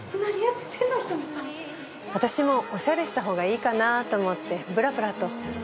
私もおしゃれした方がいいかなと思ってぶらぶらと。